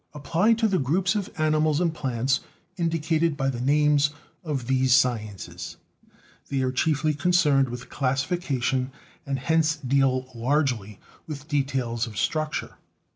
apply to the groups of THE SCIENCE OF LIFE 7 animals and plants indicated by the names of these sciences. They are chiefly concerned with classification and hence deal largely with details of structure.